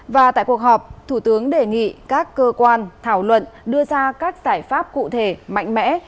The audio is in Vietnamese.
và tại cuộc họp thủ tướng đề nghị các cơ quan thảo luận đưa ra các giải pháp cụ thể mạnh mẽ